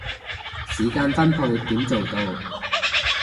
時間分配點做到